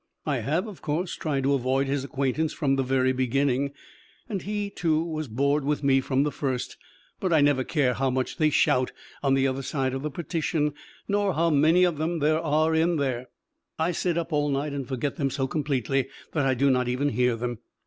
I have, of course, tried to avoid his acquaintance from the very beginning, and he, too, was bored with me from the first; but I never care how much they shout the other side of the partition nor how many of them there are in there: I sit up all night and forget them so completely that I do not even hear them.